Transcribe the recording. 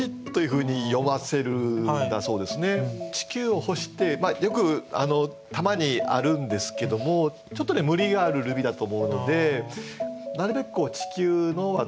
「地球」を「ほし」ってよくたまにあるんですけどもちょっとね無理があるルビだと思うのでなるべく「地球の」はですね